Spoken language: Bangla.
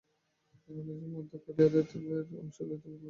রামানুজ এবং মধ্বও খাঁটি অদ্বৈতভাব-প্রতিপাদক অংশ দ্বৈতভাবে ব্যাখ্যা করিয়াছেন।